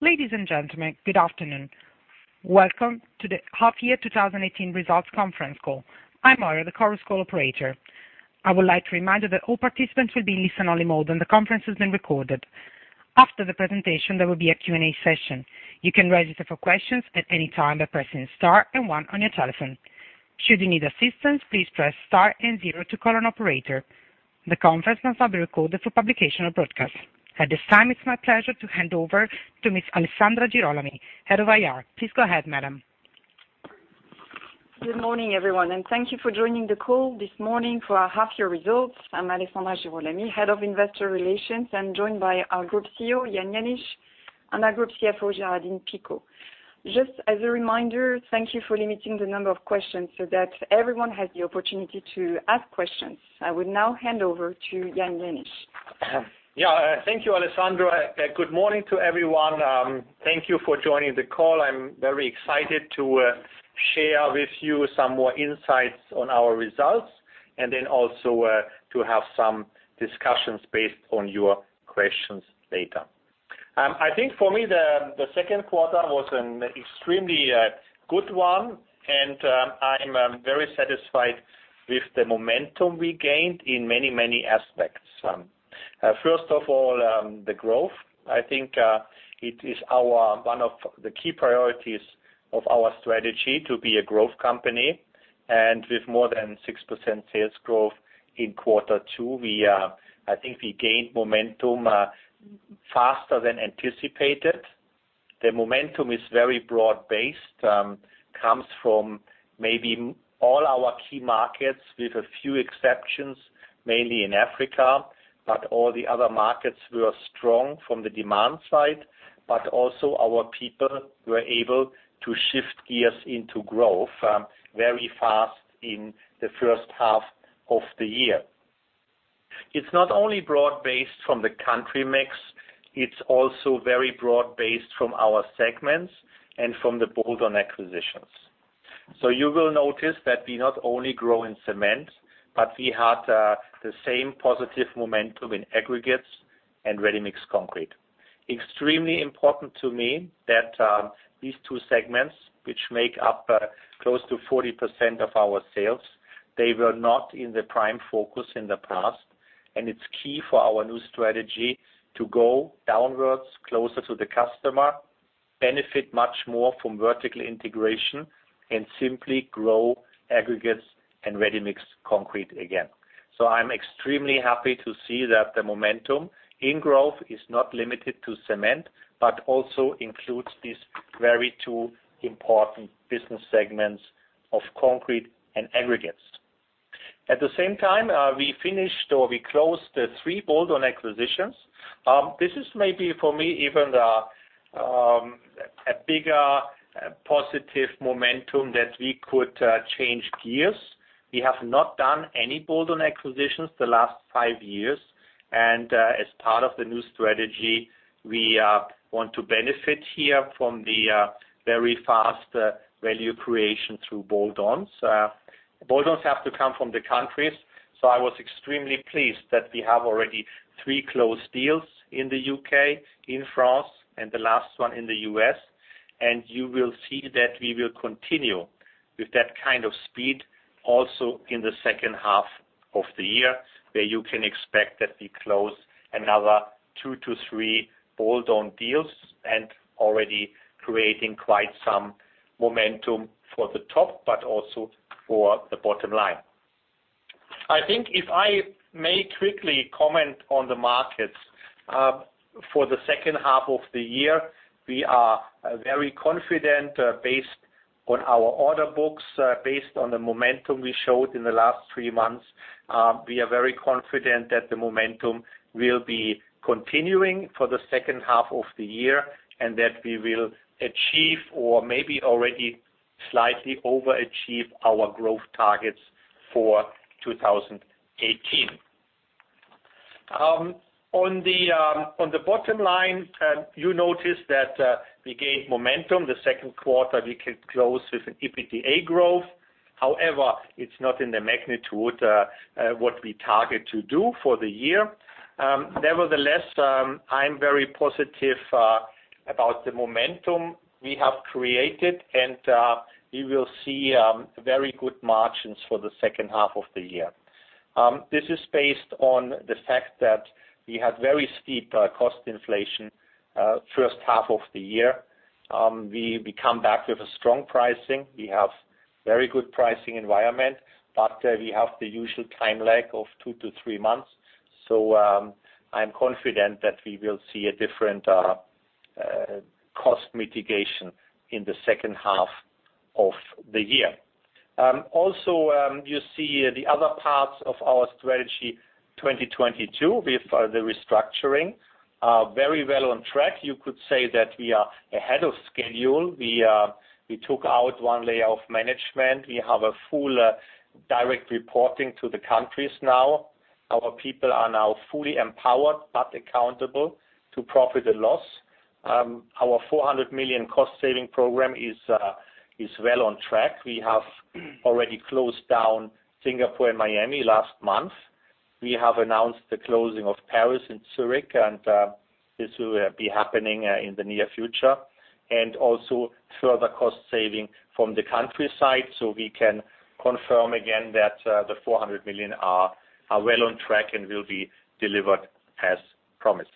Ladies and gentlemen, good afternoon. Welcome to the half-year 2018 results conference call. I'm Ora, the conference call operator. I would like to remind you that all participants will be in listen-only mode and the conference is being recorded. After the presentation, there will be a Q&A session. You can raise it for questions at any time by pressing star and one on your telephone. Should you need assistance, please press star and zero to call an operator. The conference must now be recorded for publication or broadcast. At this time, it's my pleasure to hand over to Ms. Alessandra Girolami, Head of IR. Please go ahead, madam. Good morning, everyone, and thank you for joining the call this morning for our half-year results. I'm Alessandra Girolami, Head of Investor Relations. I'm joined by our Group CEO, Jan Jenisch, and our Group CFO, Géraldine Picaud. Just as a reminder, thank you for limiting the number of questions so that everyone has the opportunity to ask questions. I will now hand over to Jan Jenisch. Thank you, Alessandra. Good morning to everyone. Thank you for joining the call. I'm very excited to share with you some more insights on our results, and then also to have some discussions based on your questions later. I think for me, the second quarter was an extremely good one, and I'm very satisfied with the momentum we gained in many, many aspects. First of all, the growth. I think it is one of the key priorities of our strategy to be a growth company. With more than 6% sales growth in quarter two, I think we gained momentum faster than anticipated. The momentum is very broad-based, comes from maybe all our key markets, with a few exceptions, mainly in Africa. All the other markets were strong from the demand side, but also our people were able to shift gears into growth very fast in the first half of the year. It's not only broad-based from the country mix, it's also very broad-based from our segments and from the bolt-on acquisitions. You will notice that we not only grow in cement, but we had the same positive momentum in aggregates and ready-mix concrete. Extremely important to me that these two segments, which make up close to 40% of our sales, they were not in the prime focus in the past. It's key for our new strategy to go downwards closer to the customer, benefit much more from vertical integration, and simply grow aggregates and ready-mix concrete again. I'm extremely happy to see that the momentum in growth is not limited to cement, but also includes these very two important business segments of concrete and aggregates. At the same time, we finished or we closed the three bolt-on acquisitions. This is maybe for me even a bigger positive momentum that we could change gears. We have not done any bolt-on acquisitions the last five years, and as part of the new strategy, we want to benefit here from the very fast value creation through bolt-ons. Bolt-ons have to come from the countries, so I was extremely pleased that we have already three closed deals in the U.K., in France, and the last one in the U.S. You will see that we will continue with that kind of speed also in the second half of the year, where you can expect that we close another two to three bolt-on deals and already creating quite some momentum for the top, but also for the bottom line. I think if I may quickly comment on the markets, for the second half of the year, we are very confident based on our order books, based on the momentum we showed in the last three months. We are very confident that the momentum will be continuing for the second half of the year, and that we will achieve or maybe already slightly overachieve our growth targets for 2018. On the bottom line, you notice that we gained momentum. The second quarter, we could close with an EBITDA growth. However, it's not in the magnitude what we target to do for the year. Nevertheless, I'm very positive about the momentum we have created, and we will see very good margins for the second half of the year. This is based on the fact that we had very steep cost inflation first half of the year. We come back with a strong pricing. We have very good pricing environment, but we have the usual time lag of two to three months. I'm confident that we will see a different cost mitigation in the second half of the year. Also, you see the other parts of our Strategy 2022 with the restructuring are very well on track. You could say that we are ahead of schedule. We took out one layer of management. We have a full direct reporting to the countries now. Our people are now fully empowered but accountable to profit and loss. Our 400 million cost-saving program is well on track. We have already closed down Singapore and Miami last month. We have announced the closing of Paris and Zurich, and this will be happening in the near future, and also further cost saving from the country side. We can confirm again that the 400 million are well on track and will be delivered as promised.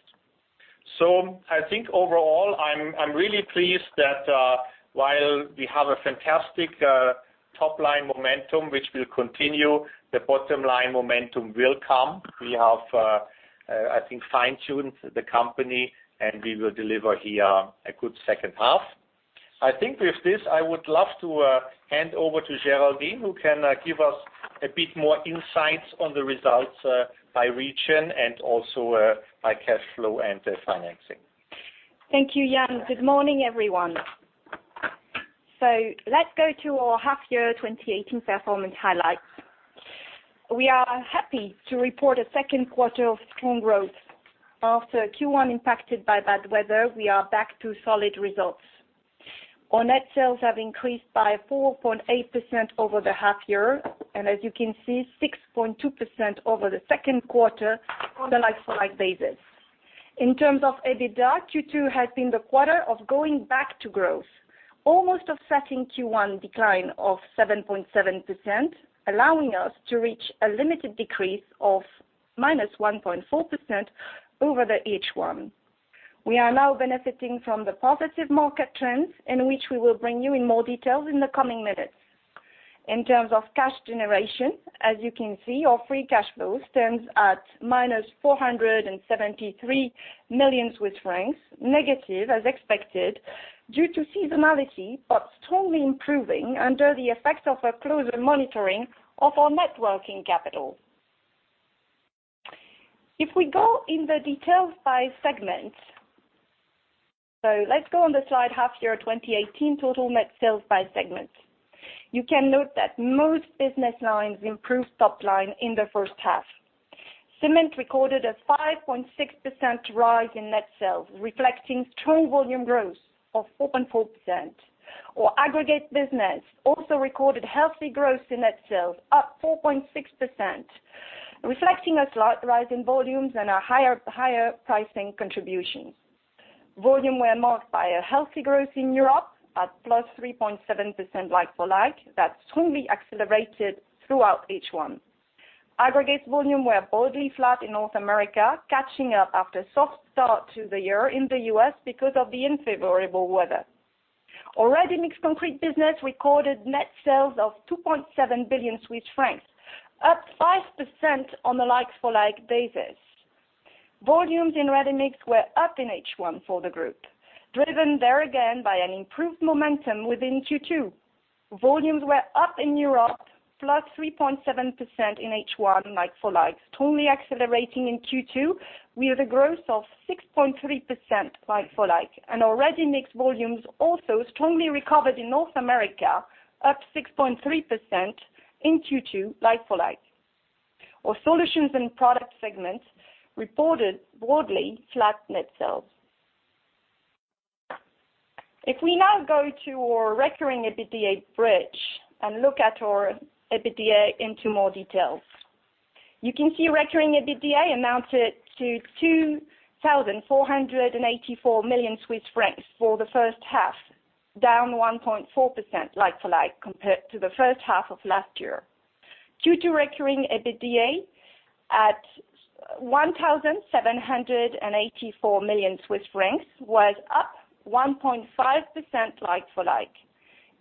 I think overall I'm really pleased that while we have a fantastic top-line momentum which will continue, the bottom-line momentum will come. We have I think fine-tuned the company, and we will deliver here a good second half. I think with this, I would love to hand over to Géraldine who can give us a bit more insights on the results by region and also by cash flow and the financing. Thank you, Jan. Good morning, everyone. Let's go to our half year 2018 performance highlights. We are happy to report a second quarter of strong growth. After Q1 impacted by bad weather, we are back to solid results. Our net sales have increased by 4.8% over the half year, and as you can see, 6.2% over the second quarter on a like-for-like basis. In terms of EBITDA, Q2 has been the quarter of going back to growth, almost offsetting Q1 decline of 7.7%, allowing us to reach a limited decrease of minus 1.4% over the H1. We are now benefiting from the positive market trends in which we will bring you in more details in the coming minutes. In terms of cash generation, as you can see, our free cash flow stands at minus 473 million Swiss francs, negative as expected, due to seasonality, but strongly improving under the effects of a closer monitoring of our net working capital. If we go in the details by segment. Let's go on the slide half year 2018 total net sales by segment. You can note that most business lines improved top line in the first half. Cement recorded a 5.6% rise in net sales, reflecting strong volume growth of 4.4%. Our aggregate business also recorded healthy growth in net sales, up 4.6%, reflecting a slight rise in volumes and a higher pricing contribution. Volume were marked by a healthy growth in Europe at plus 3.7% like-for-like that strongly accelerated throughout H1. Aggregates volume were broadly flat in North America, catching up after a soft start to the year in the U.S. because of the unfavorable weather. Our ready-mix concrete business recorded net sales of 2.7 billion Swiss francs, up 5% on a like-for-like basis. Volumes in ready-mix were up in H1 for the group, driven there again by an improved momentum within Q2. Volumes were up in Europe, plus 3.7% in H1 like-for-like, strongly accelerating in Q2 with a growth of 6.3% like-for-like. Our ready-mix volumes also strongly recovered in North America, up 6.3% in Q2 like-for-like. Our solutions and product segments reported broadly flat net sales. If we now go to our recurring EBITDA bridge and look at our EBITDA into more details. You can see recurring EBITDA amounted to 2,484 million Swiss francs for the first half, down 1.4% like-for-like compared to the first half of last year. Q2 recurring EBITDA at 1,784 million was up 1.5% like-for-like.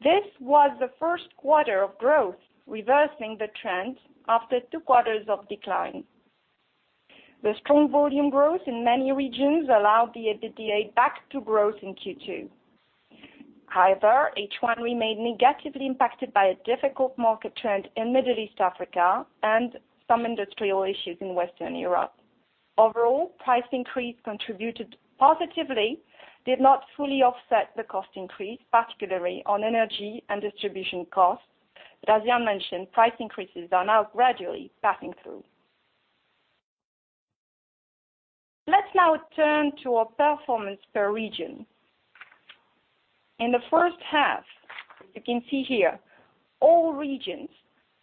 This was the first quarter of growth, reversing the trend after two quarters of decline. The strong volume growth in many regions allowed the EBITDA back to growth in Q2. However, H1 remained negatively impacted by a difficult market trend in Middle East, Africa, and some industrial issues in Western Europe. Overall, price increase contributed positively, did not fully offset the cost increase, particularly on energy and distribution costs. As Jan mentioned, price increases are now gradually passing through. Let's now turn to our performance per region. In the first half, you can see here all regions,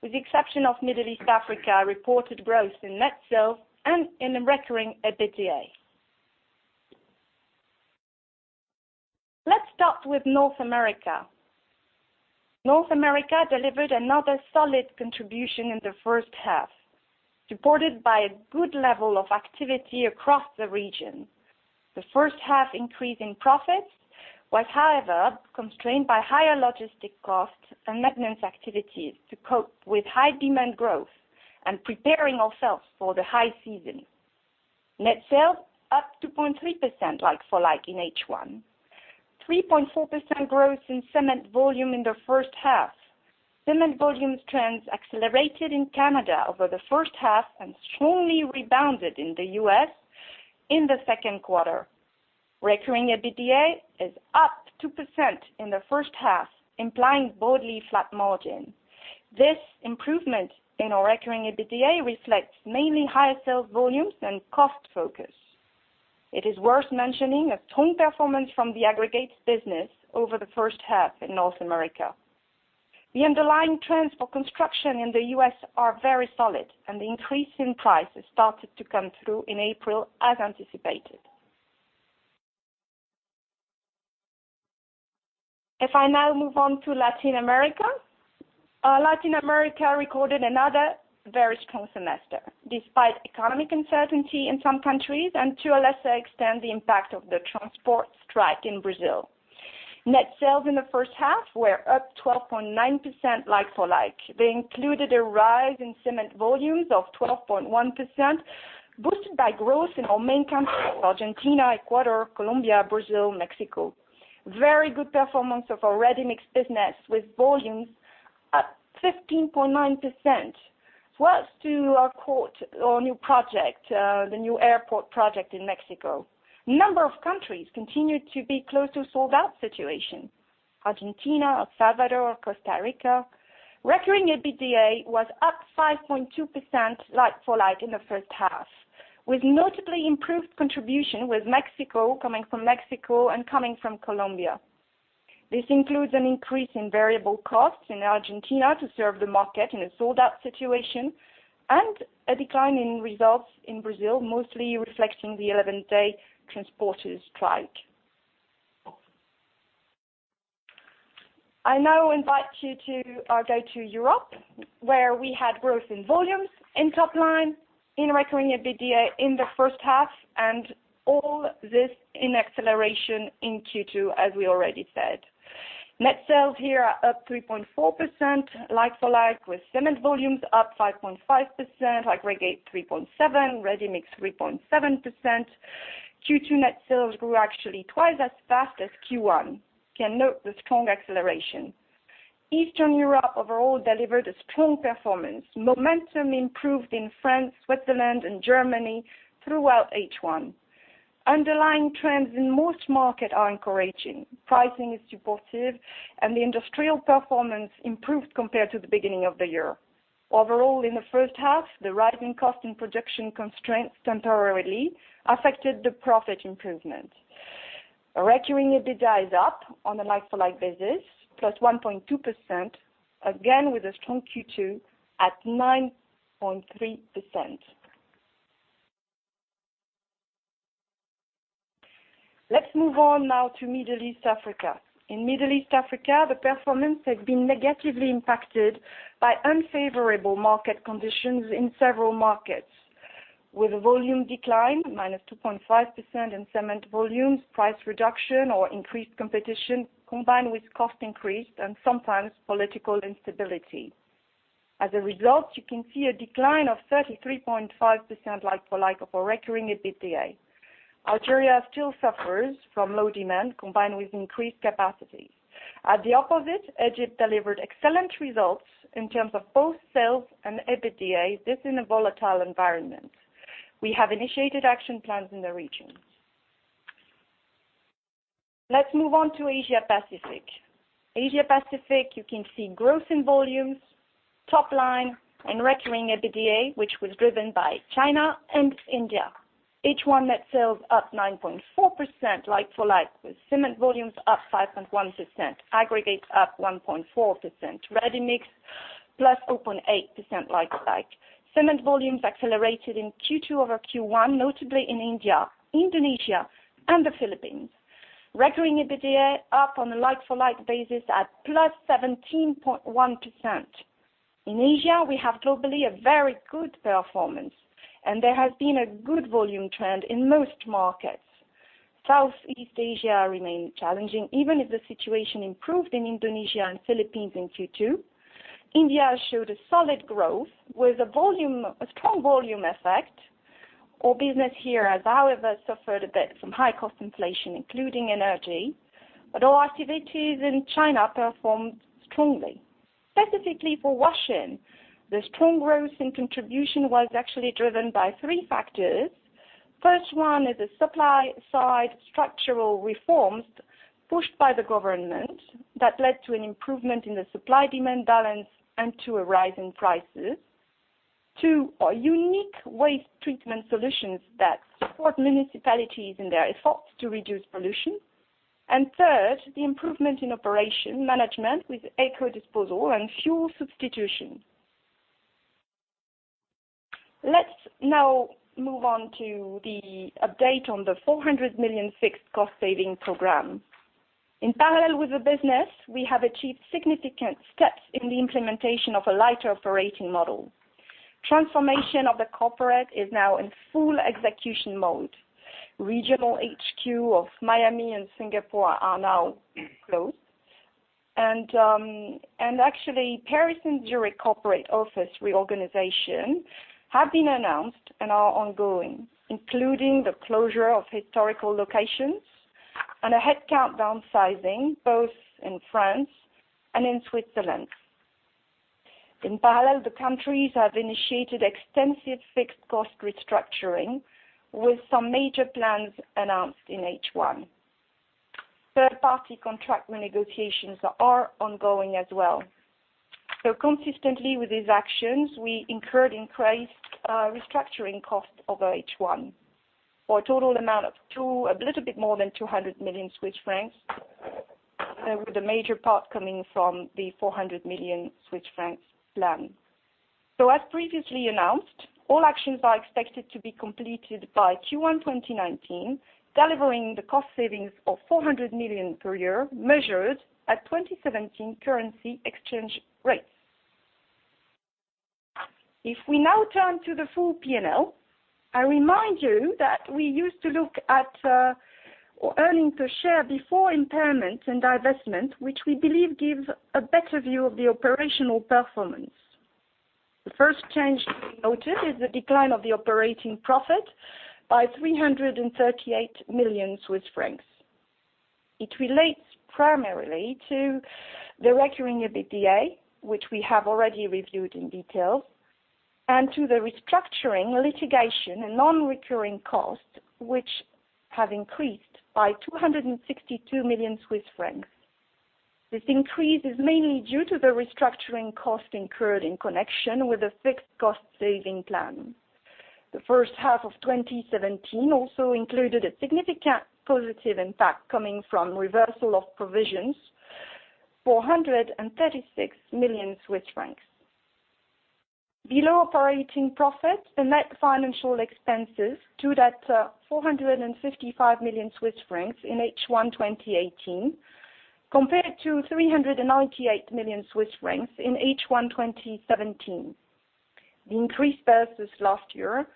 with the exception of Middle East, Africa, reported growth in net sales and in the recurring EBITDA. Let's start with North America. North America delivered another solid contribution in the first half, supported by a good level of activity across the region. The first half increase in profits was, however, constrained by higher logistic costs and maintenance activities to cope with high demand growth and preparing ourselves for the high season. Net sales up 2.3% like-for-like in H1. 3.4% growth in cement volume in the first half. Cement volume trends accelerated in Canada over the first half and strongly rebounded in the U.S. in the second quarter. Recurring EBITDA is up 2% in the first half, implying broadly flat margin. This improvement in our Recurring EBITDA reflects mainly higher sales volumes and cost focus. It is worth mentioning a strong performance from the aggregates business over the first half in North America. The underlying trends for construction in the U.S. are very solid. The increase in prices started to come through in April as anticipated. If I now move on to Latin America. Latin America recorded another very strong semester despite economic uncertainty in some countries and to a lesser extent, the impact of the transport strike in Brazil. Net sales in the first half were up 12.9% like-for-like. They included a rise in cement volumes of 12.1%, boosted by growth in our main countries, Argentina, Ecuador, Colombia, Brazil, Mexico. Very good performance of our ready-mix business, with volumes up 15.9%, thanks to our new project, the new airport project in Mexico. A number of countries continued to be close to a sold-out situation. Argentina, El Salvador, Costa Rica. Recurring EBITDA was up 5.2% like-for-like in the first half, with notably improved contribution with Mexico coming from Mexico and coming from Colombia. This includes an increase in variable costs in Argentina to serve the market in a sold-out situation and a decline in results in Brazil, mostly reflecting the 11-day transporter strike. I now invite you to go to Europe, where we had growth in volumes in top line, in Recurring EBITDA in the first half, all this in acceleration in Q2, as we already said. Net sales here are up 3.4% like-for-like, with cement volumes up 5.5%, aggregate 3.7%, ready-mix 3.7%. Q2 net sales grew actually twice as fast as Q1. You can note the strong acceleration. Eastern Europe overall delivered a strong performance. Momentum improved in France, Switzerland, and Germany throughout H1. Underlying trends in most markets are encouraging. Pricing is supportive. The industrial performance improved compared to the beginning of the year. Overall, in the first half, the rising cost and production constraints temporarily affected the profit improvement. Recurring EBITDA is up on a like-for-like basis, plus 1.2%, again, with a strong Q2 at 9.3%. Let's move on now to Middle East Africa. In Middle East Africa, the performance has been negatively impacted by unfavorable market conditions in several markets, with a volume decline, minus 2.5% in cement volumes, price reduction or increased competition, combined with cost increase and sometimes political instability. As a result, you can see a decline of 33.5% like-for-like of our Recurring EBITDA. Algeria still suffers from low demand combined with increased capacity. At the opposite, Egypt delivered excellent results in terms of both sales and EBITDA, this in a volatile environment. We have initiated action plans in the region. Let's move on to Asia Pacific. Asia Pacific, you can see growth in volumes, top line and recurring EBITDA, which was driven by China and India. H1 net sales up 9.4% like-for-like, with cement volumes up 5.1%, aggregate up 1.4%, ready-mix plus 0.8% like-for-like. Cement volumes accelerated in Q2 over Q1, notably in India, Indonesia, and the Philippines. Recurring EBITDA up on a like-for-like basis at plus 17.1%. In Asia, we have globally a very good performance, there has been a good volume trend in most markets. Southeast Asia remains challenging, even if the situation improved in Indonesia and Philippines in Q2. India showed a solid growth with a strong volume effect. Our business here has, however, suffered a bit from high cost inflation, including energy. Our activities in China performed strongly. Specifically for Huaxin, the strong growth in contribution was actually driven by 3 factors. First one is the supply-side structural reforms pushed by the government that led to an improvement in the supply-demand balance and to a rise in prices. 2, our unique waste treatment solutions that support municipalities in their efforts to reduce pollution. 3rd, the improvement in operation management with eco-disposal and fuel substitution. Let's now move on to the update on the 400 million fixed cost-saving program. In parallel with the business, we have achieved significant steps in the implementation of a lighter operating model. Transformation of the corporate is now in full execution mode. Regional HQ of Miami and Singapore are now closed. Actually, Paris and Zurich corporate office reorganization have been announced and are ongoing, including the closure of historical locations and a headcount downsizing, both in France and in Switzerland. In parallel, the countries have initiated extensive fixed cost restructuring with some major plans announced in H1. Third-party contract renegotiations are ongoing as well. Consistently with these actions, we incurred increased restructuring costs over H1. For a total amount of a little bit more than 200 million Swiss francs, with the major part coming from the 400 million Swiss francs plan. As previously announced, all actions are expected to be completed by Q1 2019, delivering the cost savings of 400 million per year, measured at 2017 currency exchange rates. If we now turn to the full P&L, I remind you that we used to look at earnings per share before impairment and divestment, which we believe gives a better view of the operational performance. The first change to be noted is the decline of the operating profit by 338 million Swiss francs. It relates primarily to the recurring EBITDA, which we have already reviewed in detail, and to the restructuring litigation and non-recurring costs, which have increased by 262 million Swiss francs. This increase is mainly due to the restructuring cost incurred in connection with the fixed cost-saving plan. The first half of 2017 also included a significant positive impact coming from reversal of provisions, 436 million Swiss francs. Below operating profit, the net financial expenses stood at 455 million Swiss francs in H1 2018, compared to 398 million Swiss francs in H1 2017. The increase versus last year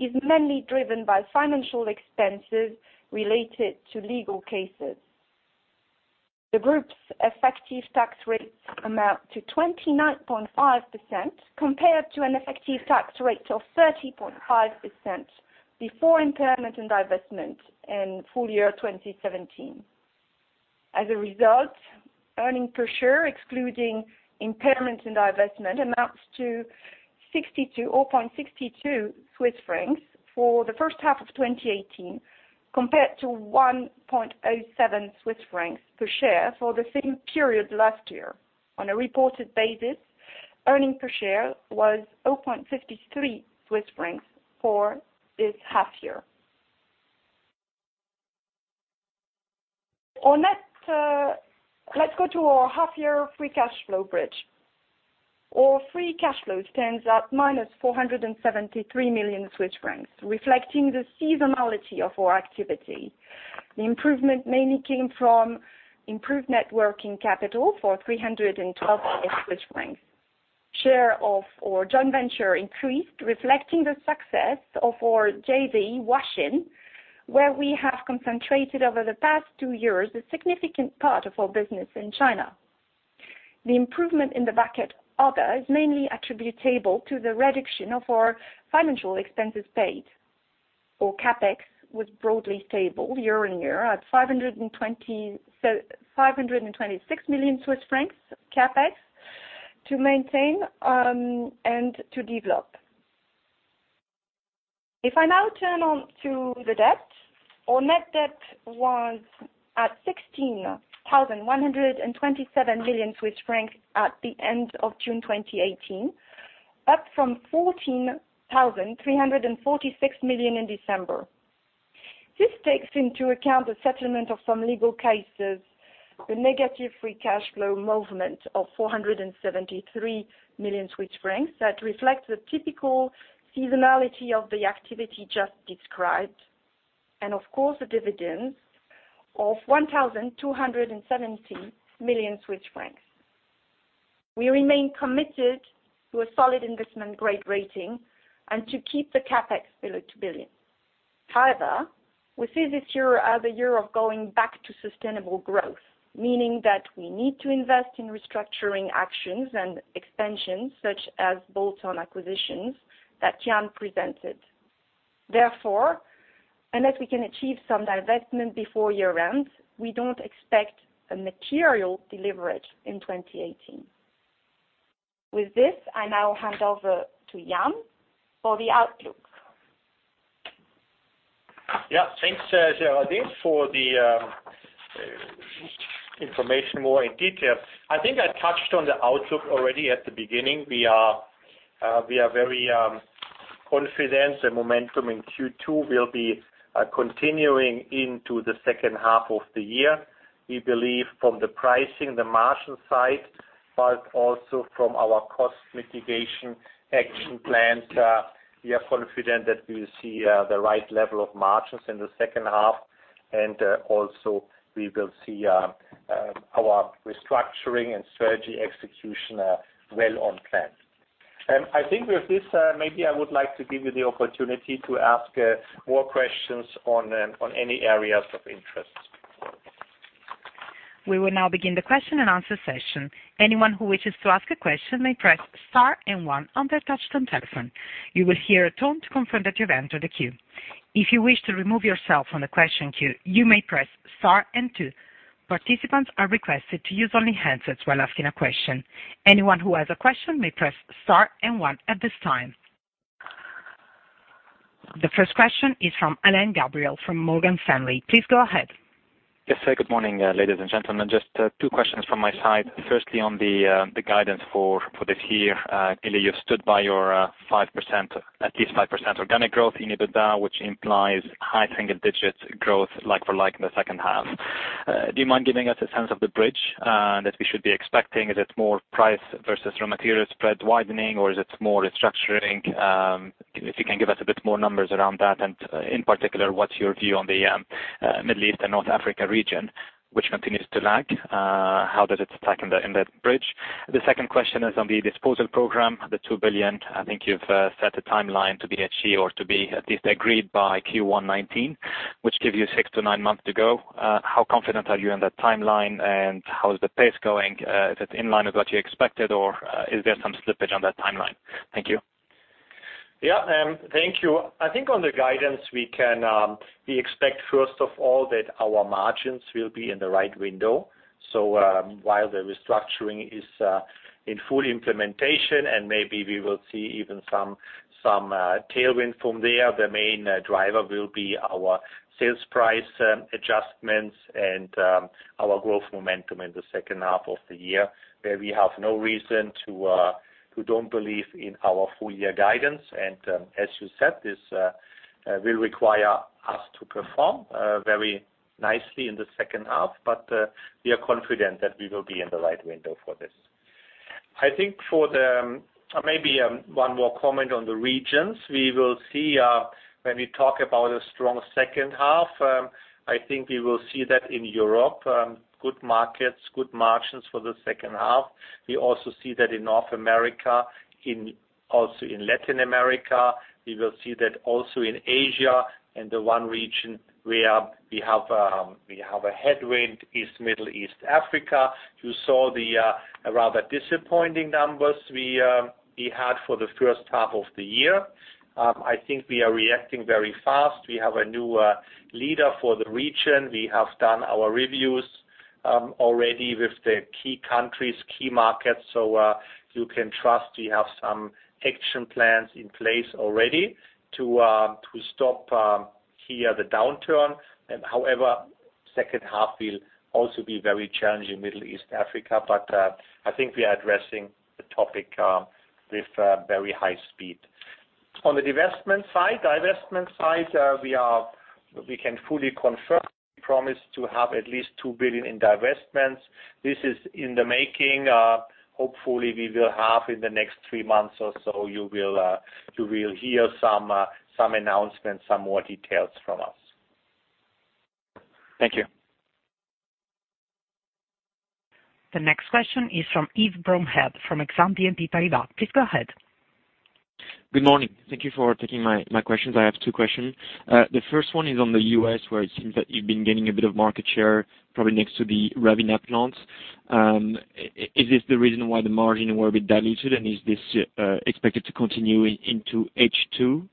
is mainly driven by financial expenses related to legal cases. The group's effective tax rates amount to 29.5%, compared to an effective tax rate of 30.5% before impairment and divestment in full year 2017. As a result, earnings per share, excluding impairment and divestment, amounts to 0.62 Swiss francs for the first half of 2018, compared to 1.07 Swiss francs per share for the same period last year. On a reported basis, earnings per share was 0.53 Swiss francs for this half year. Let's go to our half-year free cash flow bridge. Our free cash flow stands at minus 473 million Swiss francs, reflecting the seasonality of our activity. The improvement mainly came from improved net working capital for 312 million. Share of our joint venture increased, reflecting the success of our JV, Huaxin, where we have concentrated over the past two years a significant part of our business in China. The improvement in the bucket other is mainly attributable to the reduction of our financial expenses paid. Our CapEx was broadly stable year-on-year at 526 million Swiss francs CapEx to maintain and to develop. If I now turn on to the debt, our net debt was at 16,127 million Swiss francs at the end of June 2018, up from 14,346 million in December. This takes into account the settlement of some legal cases, the negative free cash flow movement of 473 million Swiss francs that reflects the typical seasonality of the activity just described, and of course, the dividends of 1,270 million Swiss francs. We remain committed to a solid investment-grade rating and to keep the CapEx below 2 billion. However, we see this year as a year of going back to sustainable growth, meaning that we need to invest in restructuring actions and expansions such as bolt-on acquisitions that Jan presented. Therefore, unless we can achieve some divestment before year-end, we don't expect a material delivery in 2018. With this, I now hand over to Jan for the outlook. Yeah. Thanks, Géraldine, for the information more in detail. I think I touched on the outlook already at the beginning. We are very confident the momentum in Q2 will be continuing into the second half of the year. We believe from the pricing, the margin side, but also from our cost mitigation action plans, we are confident that we will see the right level of margins in the second half, and also we will see our restructuring and strategy execution well on plan. I think with this, maybe I would like to give you the opportunity to ask more questions on any areas of interest. We will now begin the question and answer session. Anyone who wishes to ask a question may press star and one on their touch-tone telephone. You will hear a tone to confirm that you've entered the queue. If you wish to remove yourself from the question queue, you may press star and two. Participants are requested to use only handsets while asking a question. Anyone who has a question may press star and one at this time. The first question is from Alain Gabriel from Morgan Stanley. Please go ahead. Yes. Good morning, ladies and gentlemen. Just two questions from my side. Firstly, on the guidance for this year. Clearly, you've stood by your at least 5% organic growth in EBITDA, which implies high single-digit growth like-for-like in the second half. Do you mind giving us a sense of the bridge that we should be expecting? Is it more price versus raw material spread widening, or is it more restructuring? If you can give us a bit more numbers around that and, in particular, what's your view on the Middle East and North Africa region, which continues to lag? How does it stack in that bridge? The second question is on the disposal program, the 2 billion. I think you've set a timeline to be achieved or to be at least agreed by Q1 2019, which gives you six to nine months to go. How confident are you in that timeline, and how is the pace going? Is it in line with what you expected, or is there some slippage on that timeline? Thank you. Yeah. Thank you. I think on the guidance, we expect, first of all, that our margins will be in the right window. While the restructuring is in full implementation, and maybe we will see even some tailwind from there, the main driver will be our sales price adjustments and our growth momentum in the second half of the year, where we have no reason to-- We don't believe in our full-year guidance. As you said, this will require us to perform very nicely in the second half. We are confident that we will be in the right window for this. Maybe one more comment on the regions. When we talk about a strong second half, I think we will see that in Europe. Good markets, good margins for the second half. We also see that in North America, also in Latin America. We will see that also in Asia. The one region where we have a headwind is Middle East Africa. You saw the rather disappointing numbers we had for the first half of the year. I think we are reacting very fast. We have a new leader for the region. We have done our reviews already with the key countries, key markets. You can trust we have some action plans in place already to stop here the downturn. However, second half will also be very challenging in Middle East Africa, but I think we are addressing the topic with very high speed. On the divestment side, we can fully confirm promise to have at least 2 billion in divestments. This is in the making. Hopefully, we will have in the next three months or so, you will hear some announcements, some more details from us. Thank you. The next question is from Yassine Touahri from Exane BNP Paribas. Please go ahead. Good morning. Thank you for taking my questions. I have two questions. The first one is on the U.S., where it seems that you've been gaining a bit of market share, probably next to the Ravena plant. Is this the reason why the margin were a bit diluted, and is this expected to continue into H2?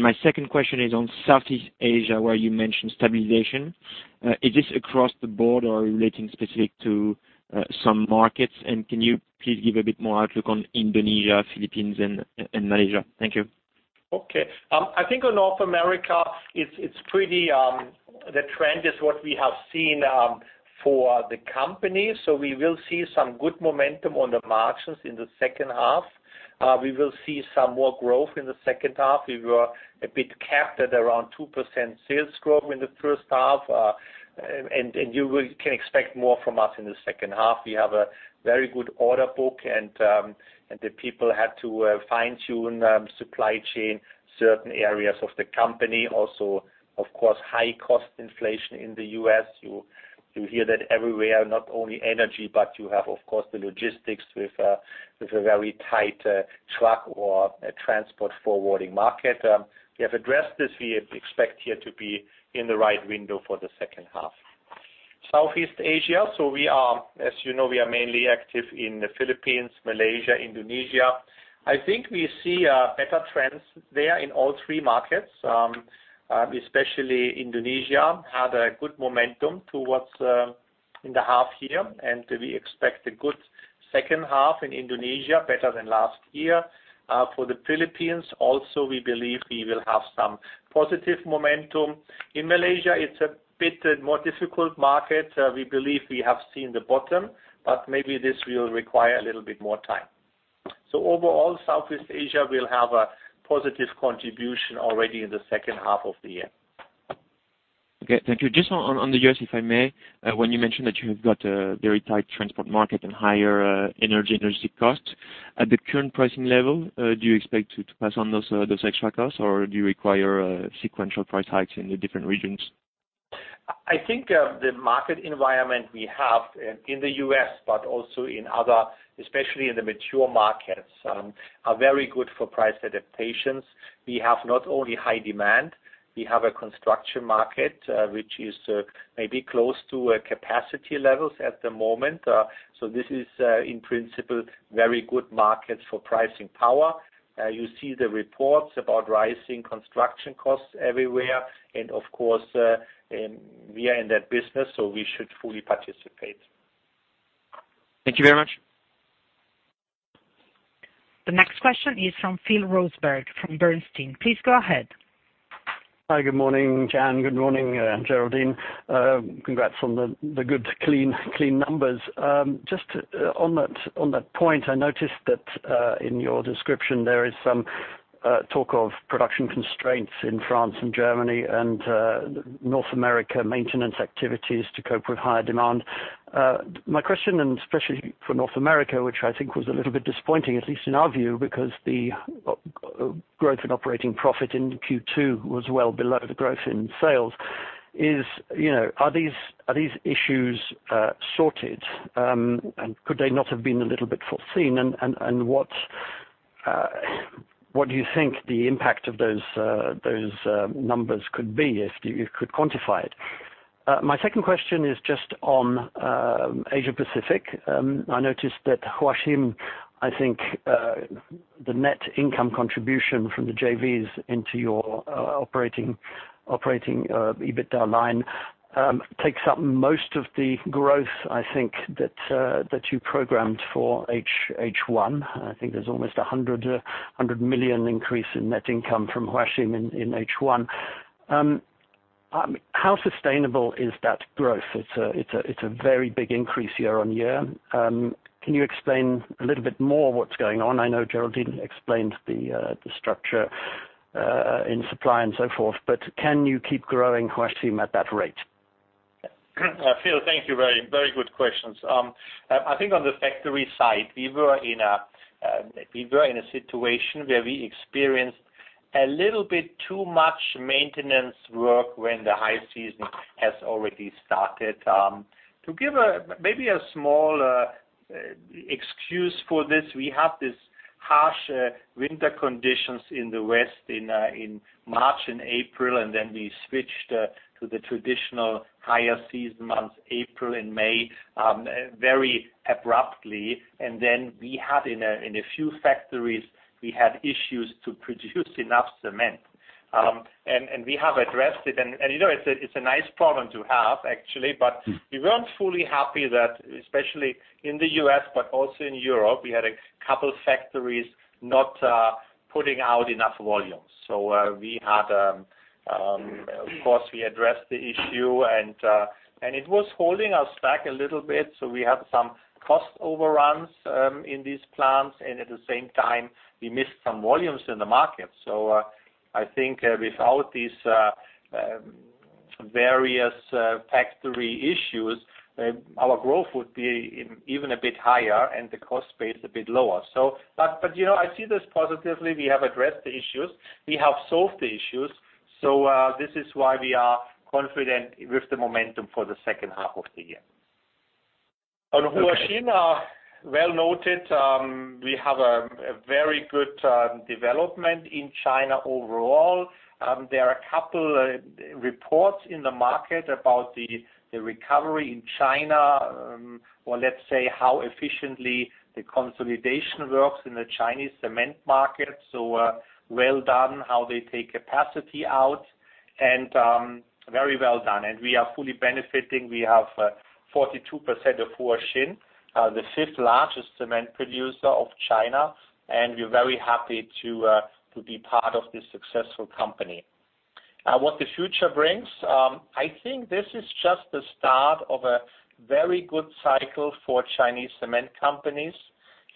My second question is on Southeast Asia, where you mentioned stabilization. Is this across the board or relating specific to some markets? Can you please give a bit more outlook on Indonesia, Philippines, and Malaysia? Thank you. Okay. I think on North America, the trend is what we have seen for the company. We will see some good momentum on the margins in the second half. We will see some more growth in the second half. We were a bit capped at around 2% sales growth in the first half, and you can expect more from us in the second half. We have a very good order book, and the people had to fine-tune supply chain, certain areas of the company. Also, of course, high cost inflation in the U.S. You hear that everywhere, not only energy, but you have, of course, the logistics with a very tight truck or transport forwarding market. We have addressed this. We expect here to be in the right window for the second half. Southeast Asia, as you know, we are mainly active in the Philippines, Malaysia, Indonesia. I think we see better trends there in all three markets, especially Indonesia had a good momentum towards in the half year, and we expect a good second half in Indonesia, better than last year. For the Philippines also, we believe we will have some positive momentum. In Malaysia, it's a bit more difficult market. We believe we have seen the bottom, but maybe this will require a little bit more time. Overall, Southeast Asia will have a positive contribution already in the second half of the year. Okay. Thank you. Just on the U.S., if I may. When you mentioned that you have got a very tight transport market and higher energy costs. At the current pricing level, do you expect to pass on those extra costs, or do you require sequential price hikes in the different regions? I think the market environment we have in the U.S., but also in other, especially in the mature markets, are very good for price adaptations. We have not only high demand, we have a construction market, which is maybe close to capacity levels at the moment. This is in principle, very good markets for pricing power. You see the reports about rising construction costs everywhere, and of course, we are in that business, so we should fully participate. Thank you very much. The next question is from Phil Roseberg, from Bernstein. Please go ahead. Hi. Good morning, Jan. Good morning, Géraldine. Congrats on the good clean numbers. Just on that point, I noticed that in your description, there is some talk of production constraints in France and Germany and North America maintenance activities to cope with higher demand. My question, and especially for North America, which I think was a little bit disappointing, at least in our view, because the growth in operating profit in Q2 was well below the growth in sales is, are these issues sorted, and could they not have been a little bit foreseen? What do you think the impact of those numbers could be if you could quantify it? My second question is just on Asia Pacific. I noticed that Huaxin, I think, the net income contribution from the JVs into your operating EBITDA line takes up most of the growth, I think that you programmed for H1. I think there's almost 100 million increase in net income from Huaxin in H1. How sustainable is that growth? It's a very big increase year-on-year. Can you explain a little bit more what's going on? I know Géraldine explained the structure in supply and so forth, but can you keep growing Huaxin at that rate? Phil, thank you. Very good questions. I think on the factory side, we were in a situation where we experienced a little bit too much maintenance work when the high season has already started. To give maybe a small excuse for this, we have these harsh winter conditions in the West in March and April. Then we switched to the traditional higher season months, April and May, very abruptly. Then we had in a few factories, we had issues to produce enough cement. We have addressed it, and it's a nice problem to have, actually, but we weren't fully happy that, especially in the U.S., but also in Europe, we had a couple factories not putting out enough volumes. We had, of course, we addressed the issue, and it was holding us back a little bit. We had some cost overruns in these plants, and at the same time, we missed some volumes in the market. I think without these various factory issues, our growth would be even a bit higher and the cost base a bit lower. I see this positively. We have addressed the issues. We have solved the issues. This is why we are confident with the momentum for the second half of the year. On Huaxin, well noted, we have a very good development in China overall. There are a couple reports in the market about the recovery in China, or let's say, how efficiently the consolidation works in the Chinese cement market. Well done, how they take capacity out, and very well done. We are fully benefiting. We have 42% of Huaxin, the fifth largest cement producer of China, and we're very happy to be part of this successful company. What the future brings, I think this is just the start of a very good cycle for Chinese cement companies.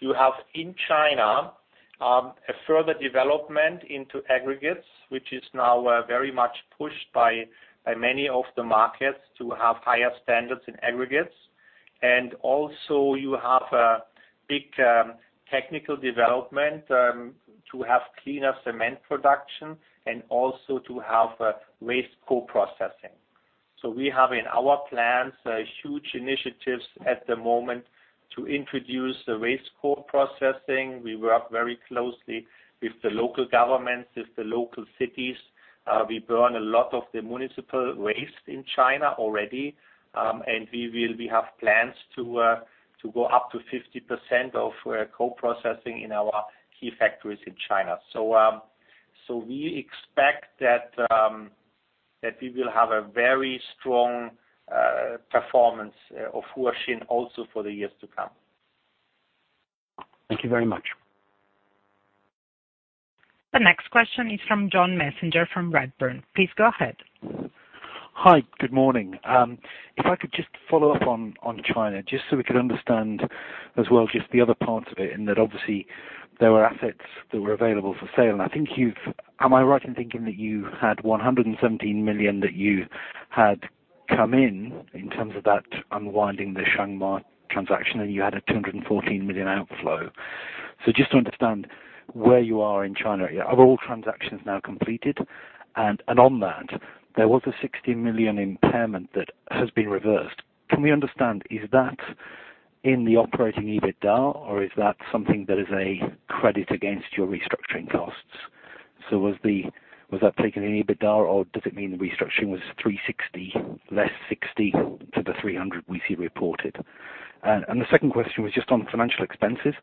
You have in China, a further development into aggregates, which is now very much pushed by many of the markets to have higher standards in aggregates. Also you have a big technical development, to have cleaner cement production and also to have waste co-processing. We have in our plans, huge initiatives at the moment to introduce the waste co-processing. We work very closely with the local governments, with the local cities. We burn a lot of the municipal waste in China already. We have plans to go up to 50% of co-processing in our key factories in China. We expect that we will have a very strong performance of Huaxin also for the years to come. Thank you very much. The next question is from John Messenger, from Redburn. Please go ahead. Hi. Good morning. If I could just follow up on China, just so we could understand as well, just the other part of it, and that obviously there were assets that were available for sale. Am I right in thinking that you had 117 million that you had come in terms of that unwinding the Shuangma transaction, and you had a 214 million outflow? Just to understand where you are in China. Are all transactions now completed? On that, there was a 16 million impairment that has been reversed. Can we understand, is that in the operating EBITDA, or is that something that is a credit against your restructuring costs? Was that taken in EBITDA, or does it mean the restructuring was 360, less 60 to the 300 we see reported? The second question was just on financial expenses.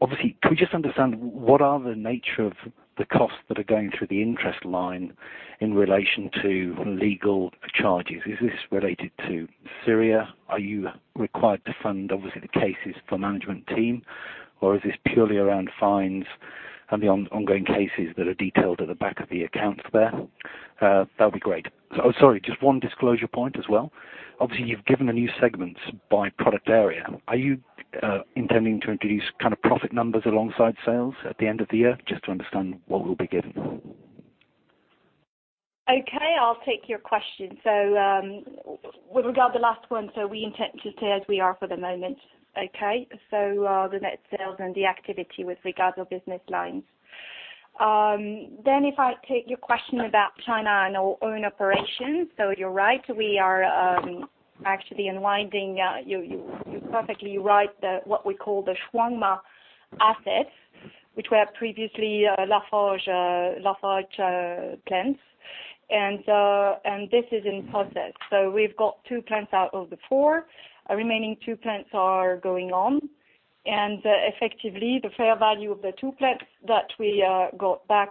Obviously, can we just understand what are the nature of the costs that are going through the interest line in relation to legal charges? Is this related to Syria? Are you required to fund, obviously, the cases for management team? Is this purely around fines? The ongoing cases that are detailed at the back of the accounts there. That'd be great. Sorry, just one disclosure point as well. Obviously, you've given the new segments by product area. Are you intending to introduce profit numbers alongside sales at the end of the year just to understand what we'll be given? Okay, I'll take your question. With regard the last one, we intend to stay as we are for the moment. Okay. The net sales and the activity with regards our business lines. If I take your question about China and our own operations. You're right, we are actually unwinding, you're perfectly right, what we call the Shuangma assets, which were previously Lafarge plants. This is in process. We've got two plants out of the four. Remaining two plants are going on, and effectively, the fair value of the two plants that we got back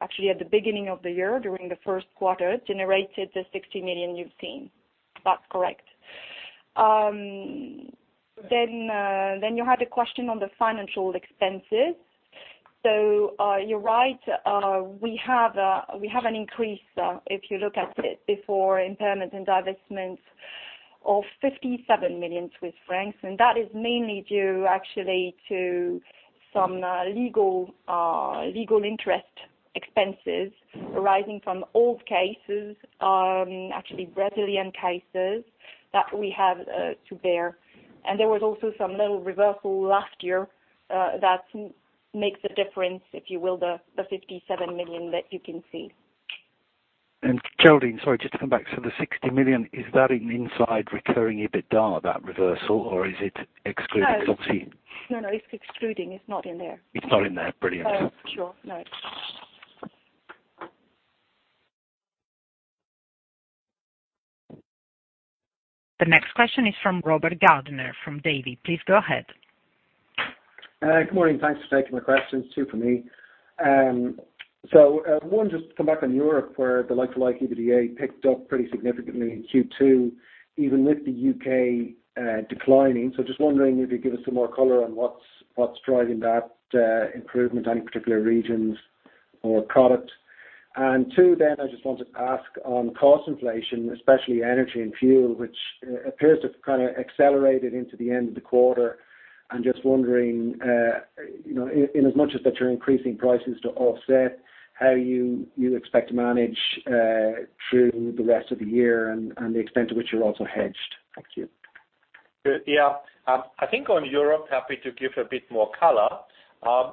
actually at the beginning of the year, during the first quarter, generated the 60 million you've seen. That's correct. You had a question on the financial expenses. You're right. We have an increase, if you look at it before impairment and divestments of 57 million Swiss francs, that is mainly due actually to some legal interest expenses arising from old cases, actually Brazilian cases, that we have to bear. There was also some little reversal last year, that makes a difference, if you will, the 57 million that you can see. Géraldine, sorry, just to come back. The 60 million, is that in inside recurring EBITDA, that reversal? Or is it excluded? No. No, it's excluding. It's not in there. It's not in there. Brilliant. Sure. No. The next question is from Robert Gardiner, from Davy. Please go ahead. Good morning. Thanks for taking my questions. Two for me. One, just to come back on Europe where the like-for-like EBITDA picked up pretty significantly in Q2 even with the U.K. declining. Just wondering if you could give us some more color on what's driving that improvement, any particular regions or product? Two then I just wanted to ask on cost inflation, especially energy and fuel, which appears to have accelerated into the end of the quarter. I'm just wondering, in as much as that you're increasing prices to offset, how you expect to manage through the rest of the year and the extent to which you're also hedged. Thank you. I think on Europe, happy to give a bit more color.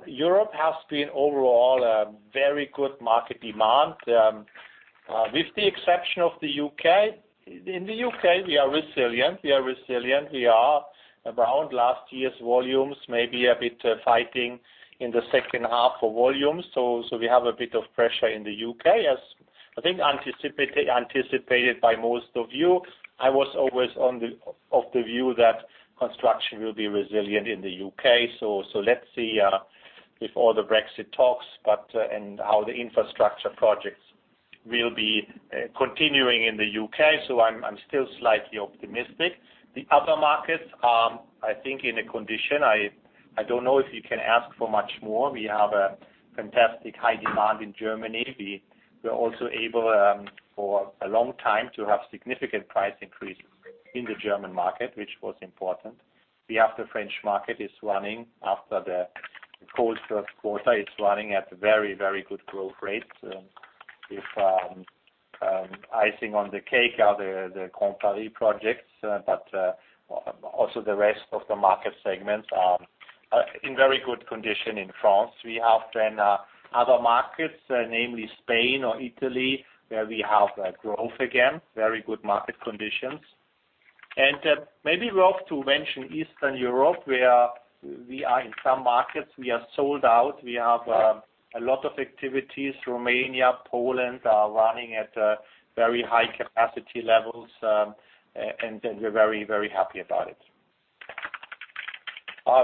Europe has been overall a very good market demand, with the exception of the U.K. In the U.K., we are resilient. We are around last year's volumes, maybe a bit fighting in the second half for volume. We have a bit of pressure in the U.K., as I think anticipated by most of you. I was always of the view that construction will be resilient in the U.K. Let's see with all the Brexit talks and how the infrastructure projects will be continuing in the U.K. I'm still slightly optimistic. The other markets are, I think, in a condition, I don't know if you can ask for much more. We have a fantastic high demand in Germany. We were also able, for a long time, to have significant price increases in the German market, which was important. We have the French market is running after the cold first quarter. It's running at very, very good growth rates with icing on the cake are the Grand Paris projects. Also the rest of the market segments are in very good condition in France. We have other markets, namely Spain or Italy, where we have growth again, very good market conditions. Maybe worth to mention Eastern Europe, where we are in some markets, we are sold out. We have a lot of activities. Romania, Poland are running at very high capacity levels, and we're very, very happy about it.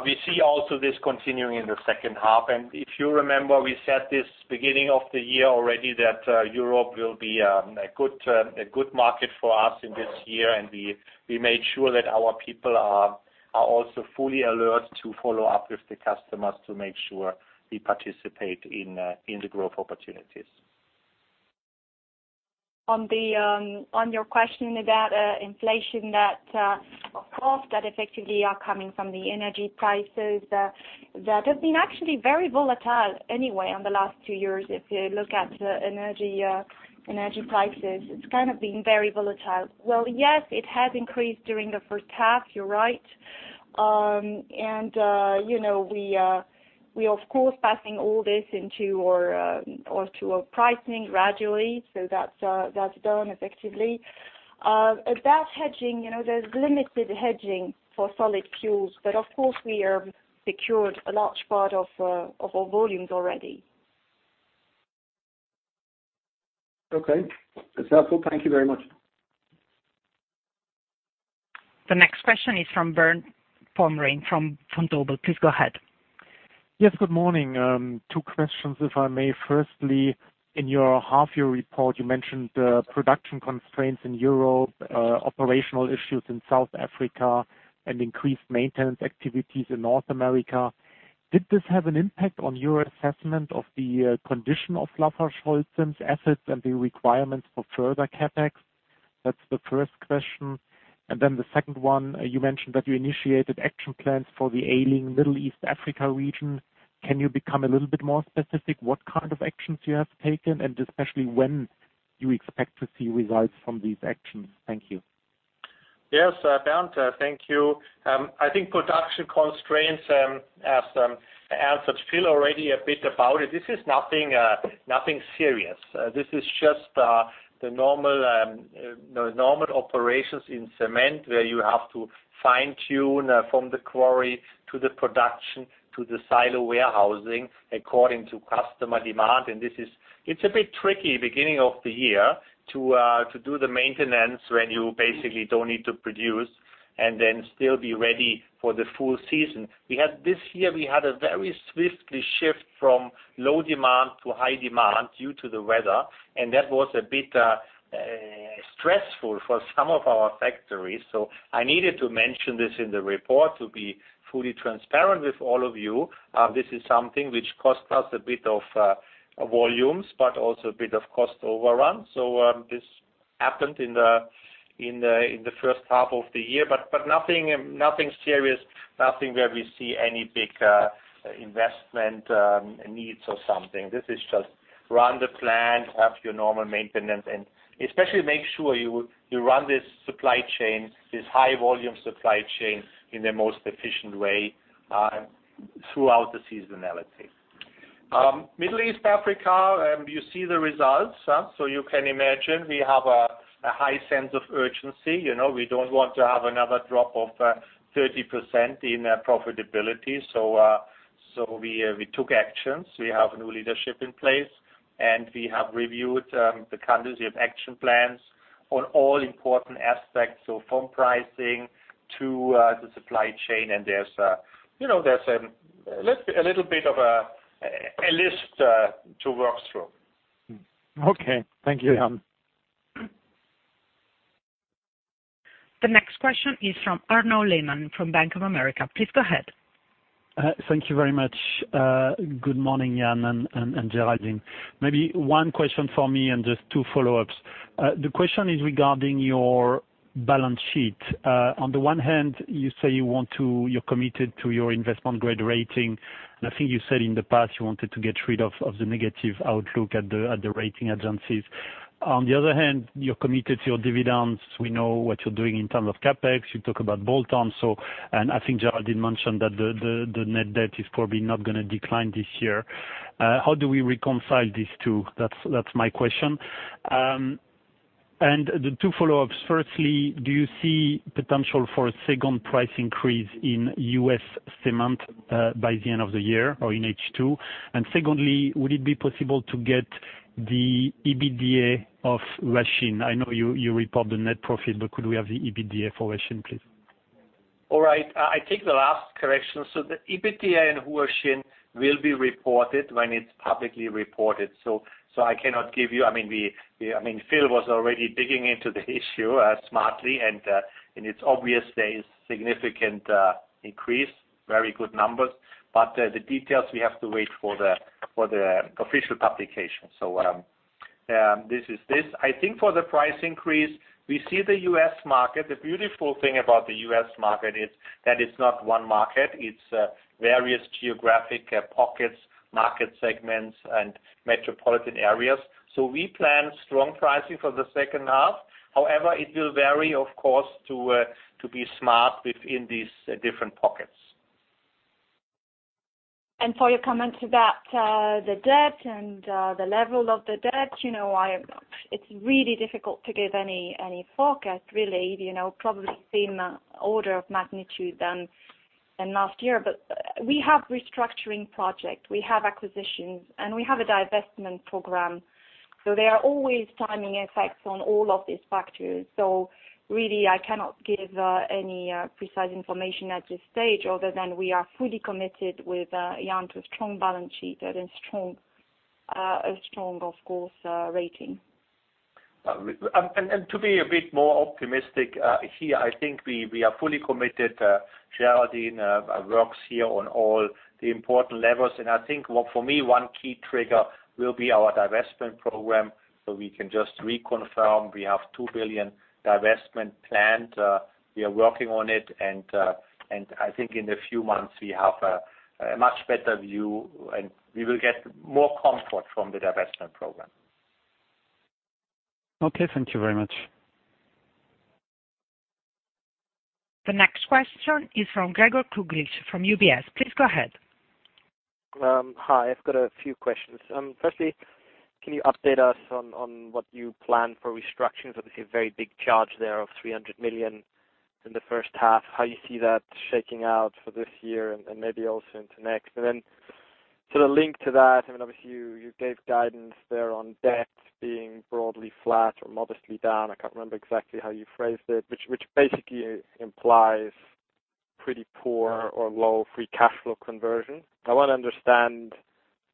We see also this continuing in the second half, if you remember, we said this beginning of the year already, that Europe will be a good market for us in this year, we made sure that our people are also fully alert to follow up with the customers to make sure we participate in the growth opportunities. On your question about inflation that of costs that effectively are coming from the energy prices, that have been actually very volatile anyway in the last two years. If you look at energy prices, it's been very volatile. Yes, it has increased during the first half, you're right. We of course passing all this into our pricing gradually. That's done effectively. About hedging, there's limited hedging for solid fuels. Of course we have secured a large part of our volumes already. Okay. That's helpful. Thank you very much. The next question is from Bernd Pomrehn from Baader Helvea. Please go ahead. Yes, good morning. Two questions if I may. Firstly, in your half year report, you mentioned production constraints in Europe, operational issues in South Africa, and increased maintenance activities in North America. Did this have an impact on your assessment of the condition of LafargeHolcim's assets and the requirements for further CapEx? That's the first question. The second one, you mentioned that you initiated action plans for the ailing Middle East Africa region. Can you become a little bit more specific what kind of actions you have taken, and especially when you expect to see results from these actions? Thank you. Yes, Bernd, thank you. I think production constraints, as Phil already a bit about it, this is nothing serious. This is just the normal operations in cement where you have to fine-tune from the quarry to the production to the silo warehousing according to customer demand. It's a bit tricky beginning of the year to do the maintenance when you basically don't need to produce, and then still be ready for the full season. This year, we had a very swiftly shift from low demand to high demand due to the weather, and that was a bit stressful for some of our factories. I needed to mention this in the report to be fully transparent with all of you. This is something which cost us a bit of volumes, but also a bit of cost overrun. This happened in the first half of the year, but nothing serious, nothing where we see any big investment needs or something. This is just run the plant, have your normal maintenance, and especially make sure you run this supply chain, this high volume supply chain, in the most efficient way throughout the seasonality. Middle East, Africa, you see the results, you can imagine we have a high sense of urgency. We do not want to have another drop of 30% in profitability. We took actions. We have new leadership in place, and we have reviewed the candidacy of action plans on all important aspects. From pricing to the supply chain, and there is a little bit of a list to work through. Okay. Thank you, Jan. The next question is from Arnaud Lehmann from Bank of America. Please go ahead. Thank you very much. Good morning, Jan and Géraldine. Maybe one question for me and just two follow-ups. The question is regarding your balance sheet. On the one hand, you say you are committed to your investment-grade rating, and I think you said in the past you wanted to get rid of the negative outlook at the rating agencies. On the other hand, you are committed to your dividends. We know what you are doing in terms of CapEx. You talk about bolt-ons, and I think Géraldine mentioned that the net debt is probably not going to decline this year. How do we reconcile these two? That is my question. The two follow-ups. Firstly, do you see potential for a second price increase in U.S. cement by the end of the year or in H2? Secondly, would it be possible to get the EBITDA of Huaxin? I know you report the net profit. Could we have the EBITDA for Huaxin, please? All right. I take the last correction. The EBITDA in Huaxin will be reported when it's publicly reported. I cannot give you. Phil was already digging into the issue smartly, and it's obvious there is significant increase, very good numbers, but the details, we have to wait for the official publication. This is this. I think for the price increase, we see the U.S. market. The beautiful thing about the U.S. market is that it's not one market. It's various geographic pockets, market segments, and metropolitan areas. We plan strong pricing for the second half. However, it will vary, of course, to be smart within these different pockets. For your comment about the debt and the level of the debt, it's really difficult to give any forecast really. Probably same order of magnitude than last year. We have restructuring project, we have acquisitions, and we have a divestment program. There are always timing effects on all of these factors. Really, I cannot give any precise information at this stage other than we are fully committed with Jan to a strong balance sheet and a strong, of course, rating. To be a bit more optimistic, here, I think we are fully committed. Géraldine works here on all the important levels, and I think for me, one key trigger will be our divestment program, so we can just reconfirm we have 2 billion divestment planned. We are working on it, and I think in a few months, we have a much better view, and we will get more comfort from the divestment program. Okay. Thank you very much. The next question is from Gregor Kuglitsch, from UBS. Please go ahead. Hi. I've got a few questions. Firstly, can you update us on what you plan for restructurings? Obviously, a very big charge there of 300 million in the first half. How you see that shaking out for this year and maybe also into next? The link to that, obviously you gave guidance there on debt being broadly flat or modestly down. I can't remember exactly how you phrased it, which basically implies pretty poor or low free cash flow conversion. I want to understand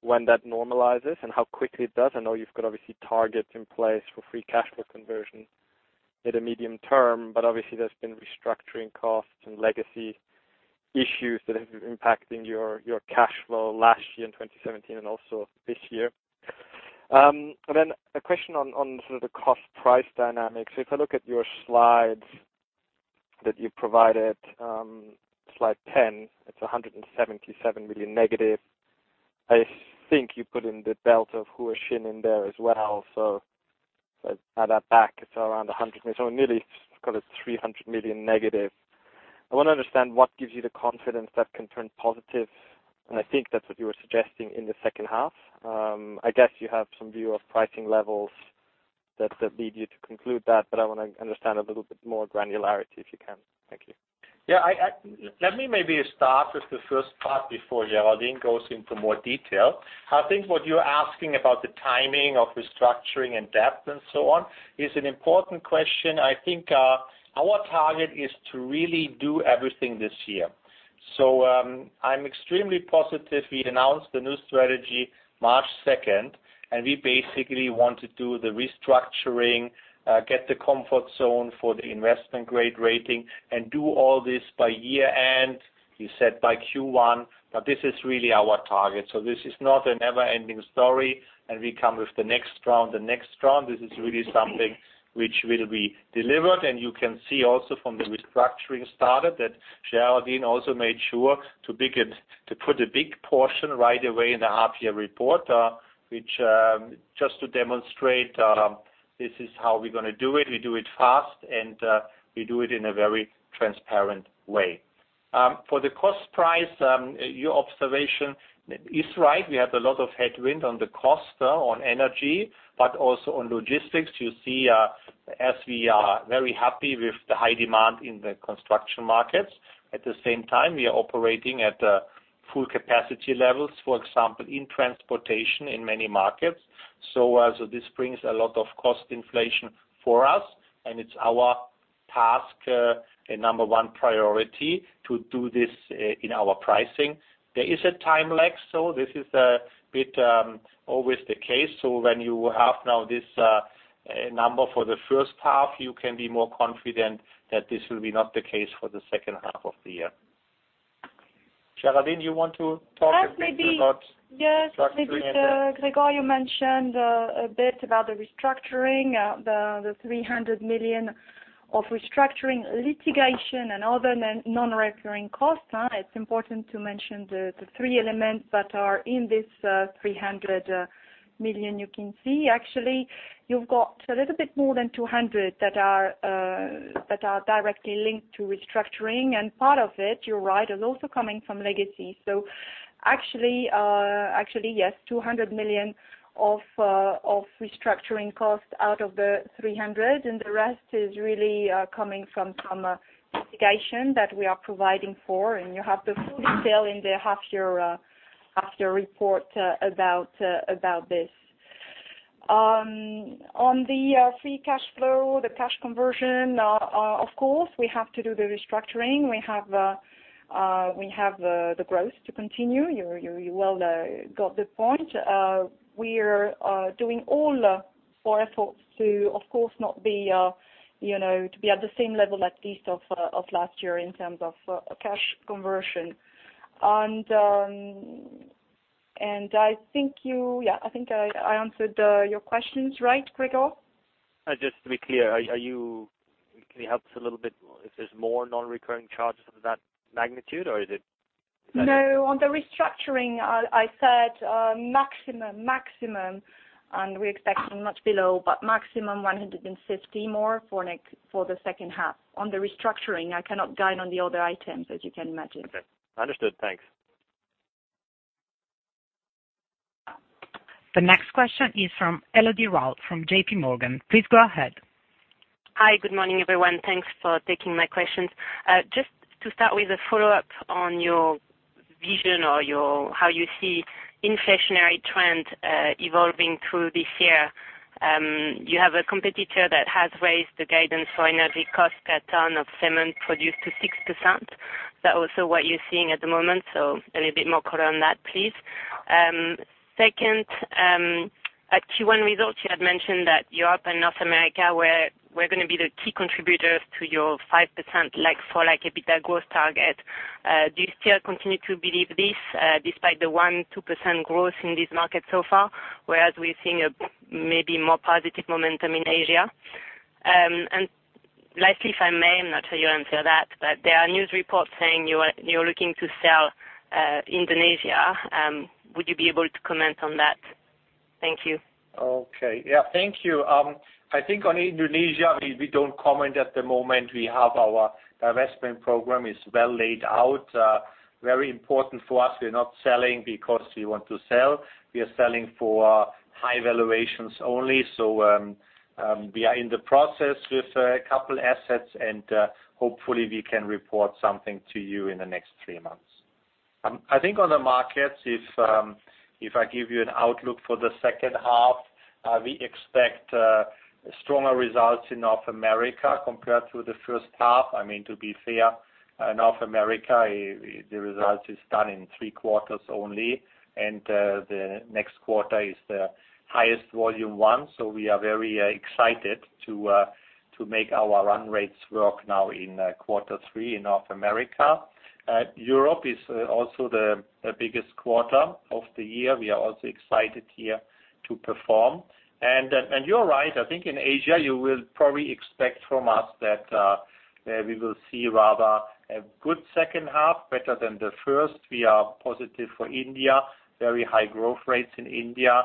when that normalizes and how quickly it does. I know you've got obviously targets in place for free cash flow conversion in the medium term, but obviously, there's been restructuring costs and legacy issues that have been impacting your cash flow last year in 2017 and also this year. A question on sort of the cost price dynamics. If I look at your slides that you provided, slide 10, it's 177 million negative. I think you put in the benefit of Huaxin in there as well. Add that back, it's around 100 million. Nearly call it 300 million negative. I want to understand what gives you the confidence that can turn positive, and I think that's what you were suggesting in the second half. I guess you have some view of pricing levels that lead you to conclude that, but I want to understand a little bit more granularity, if you can. Thank you. Yeah. Let me maybe start with the first part before Géraldine goes into more detail. I think what you're asking about the timing of restructuring and debt and so on is an important question. I think our target is to really do everything this year. I'm extremely positive. We announced the new strategy March 2nd, and we basically want to do the restructuring, get the comfort zone for the investment-grade rating, and do all this by year-end. We said by Q1, but this is really our target. This is not a never-ending story, and we come with the next round, the next round. This is really something which will be delivered. You can see also from the restructuring started, that Géraldine also made sure to put a big portion right away in the half year report, which just to demonstrate this is how we're going to do it. We do it fast, and we do it in a very transparent way. For the cost price, your observation is right. We have a lot of headwind on the cost, on energy, but also on logistics. You see as we are very happy with the high demand in the construction markets. At the same time, we are operating at full capacity levels, for example, in transportation in many markets. This brings a lot of cost inflation for us, and it's our task, a number one priority to do this in our pricing. There is a time lag, this is a bit always the case. When you have now this number for the first half, you can be more confident that this will be not the case for the second half of the year. Géraldine, you want to talk a bit about. Yes, maybe. restructuring Gregor, you mentioned a bit about the restructuring, the 300 million of restructuring litigation and other non-recurring costs. It's important to mention the three elements that are in this 300 million. You can see actually you've got a little bit more than 200 that are directly linked to restructuring, and part of it, you're right, is also coming from legacy. Actually, yes, 200 million of restructuring costs out of the 300, and the rest is really coming from some litigation that we are providing for, and you have the full detail in the half year report about this. On the free cash flow, the cash conversion, of course, we have to do the restructuring. We have the growth to continue. You well got the point. We are doing all our efforts to, of course, not be at the same level at least of last year in terms of cash conversion. I think I answered your questions right, Gregor? Just to be clear, can you help us a little bit if there's more non-recurring charges of that magnitude or No, on the restructuring, I said maximum, we're expecting much below, but maximum 150 more for the second half. On the restructuring, I cannot guide on the other items as you can imagine. Okay. Understood. Thanks. The next question is from Elodie Rall from JPMorgan. Please go ahead. Hi. Good morning, everyone. Thanks for taking my questions. Just to start with a follow-up on your vision or how you see inflationary trend evolving through this year. You have a competitor that has raised the guidance for energy cost per ton of cement produced to 6%. Is that also what you're seeing at the moment? A little bit more color on that, please. Second, at Q1 results, you had mentioned that Europe and North America were going to be the key contributors to your 5% like-for-like EBITDA growth target. Do you still continue to believe this despite the 1%-2% growth in these markets so far, whereas we're seeing a maybe more positive momentum in Asia? Lastly, if I may, I'm not sure you answer that, but there are news reports saying you're looking to sell Indonesia. Would you be able to comment on that? Thank you. Okay. Yeah. Thank you. I think on Indonesia, we don't comment at the moment. We have our investment program is well laid out. Very important for us. We're not selling because we want to sell. We are selling for high valuations only. We are in the process with a couple assets, and hopefully we can report something to you in the next 3 months. I think on the markets, if I give you an outlook for the second half, we expect stronger results in North America compared to the first half. I mean, to be fair, North America, the result is done in 3 quarters only, and the next quarter is highest volume one. We are very excited to make our run rates work now in Q3 in North America. Europe is also the biggest quarter of the year. We are also excited here to perform. You're right, I think in Asia, you will probably expect from us that we will see rather a good second half, better than the first. We are positive for India. Very high growth rates in India.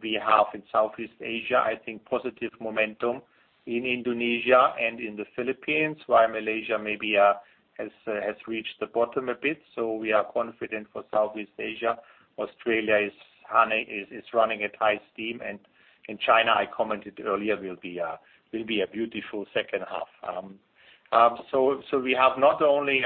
We have, in Southeast Asia, I think, positive momentum in Indonesia and in the Philippines, while Malaysia maybe has reached the bottom a bit. We are confident for Southeast Asia. Australia is running at high steam. China, I commented earlier, will be a beautiful second half. We have not only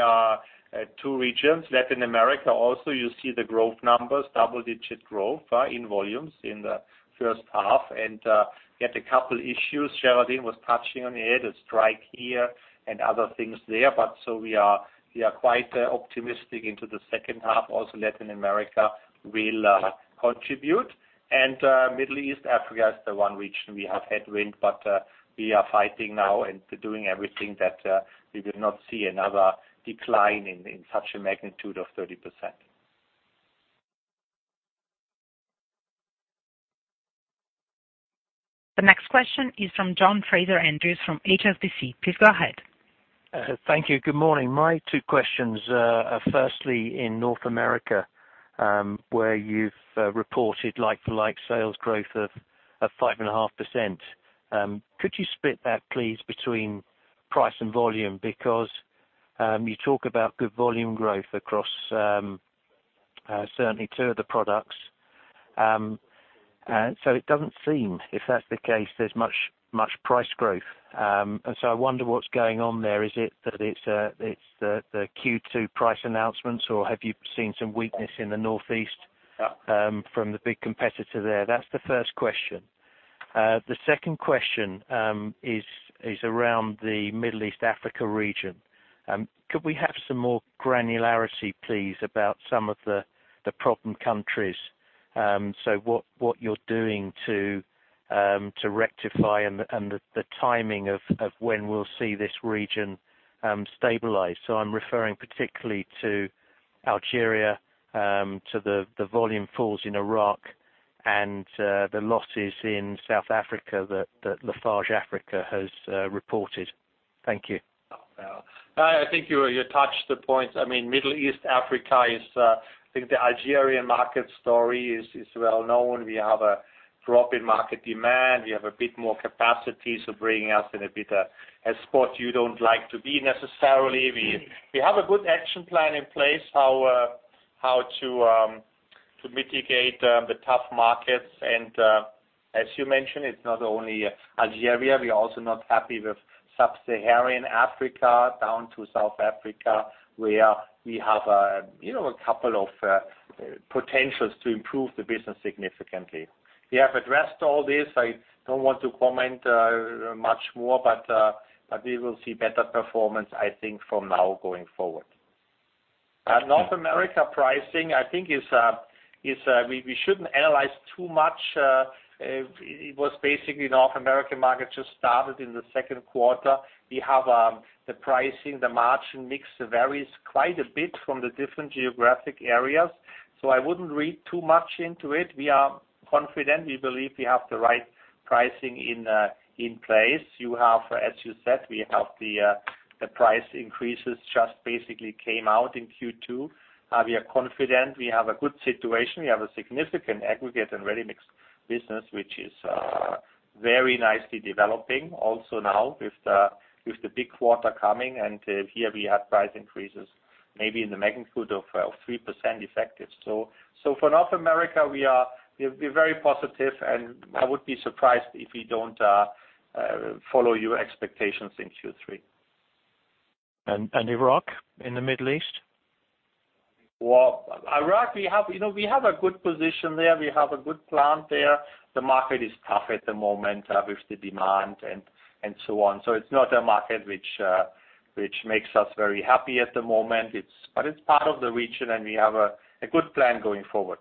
2 regions. Latin America also, you see the growth numbers, double-digit growth in volumes in the first half. We had a couple issues. Géraldine was touching on it, a strike here and other things there. We are quite optimistic into the second half. Also Latin America will contribute. Middle East, Africa is the one region we have headwind. We are fighting now and doing everything that we will not see another decline in such a magnitude of 30%. The next question is from John Fraser-Andrews from HSBC. Please go ahead. Thank you. Good morning. My two questions are firstly, in North America, where you've reported like-for-like sales growth of 5.5%. Could you split that, please, between price and volume? You talk about good volume growth across certainly two of the products. It doesn't seem, if that's the case, there's much price growth. I wonder what's going on there. Is it that it's the Q2 price announcements, or have you seen some weakness in the Northeast from the big competitor there? That's the first question. The second question is around the Middle East, Africa region. Could we have some more granularity, please, about some of the problem countries? What you're doing to rectify and the timing of when we'll see this region stabilize. I'm referring particularly to Algeria, to the volume falls in Iraq, and the losses in South Africa that Lafarge Africa has reported. Thank you. I think you touched the points. Middle East, Africa. I think the Algerian market story is well-known. We have a drop in market demand. We have a bit more capacity, bringing us in a bit a spot you don't like to be necessarily. We have a good action plan in place, how to mitigate the tough markets. As you mentioned, it's not only Algeria. We're also not happy with Sub-Saharan Africa down to South Africa, where we have a couple of potentials to improve the business significantly. We have addressed all this. I don't want to comment much more, but we will see better performance, I think, from now going forward. North America pricing, I think we shouldn't analyze too much. It was basically North American market just started in the second quarter. We have the pricing, the margin mix varies quite a bit from the different geographic areas. I wouldn't read too much into it. We are confident. We believe we have the right pricing in place. As you said, we have the price increases just basically came out in Q2. We are confident we have a good situation. We have a significant aggregate and ready-mix business, which is very nicely developing also now with the big quarter coming, and here we have price increases maybe in the magnitude of 3% effective. For North America, we are very positive, and I would be surprised if we don't follow your expectations in Q3. Iraq in the Middle East? Well, Iraq, we have a good position there. We have a good plant there. The market is tough at the moment with the demand and so on. It's not a market which makes us very happy at the moment. It's part of the region, and we have a good plan going forward.